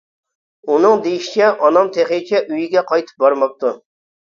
ئۇنىڭ دېيىشىچە ئانام تېخىچە ئۆيگە قايتىپ بارماپتۇ.